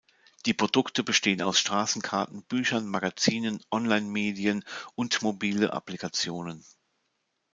Die Produkte bestehen aus Straßenkarten, Büchern, Magazinen, Online-Medien und mobile Applikationen.